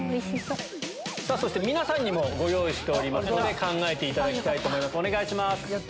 そして皆さんにもご用意しておりますので考えていただきたいと思いますお願いします。